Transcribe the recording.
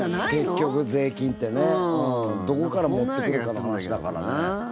結局税金ってどこから持ってくるかの話だから。